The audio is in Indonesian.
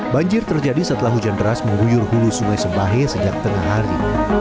banjir terjadi setelah hujan deras mengguyur hulu sungai sembahe sejak tengah hari